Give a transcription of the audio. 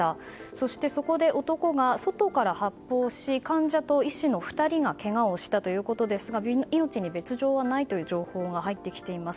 そして、そこで男が外から発砲し患者と医師の２人がけがをしたということですが命に別条はないという情報が入ってきています。